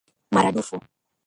Mara dufu.